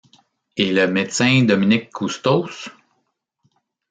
Et le médecin Dominique Custos ?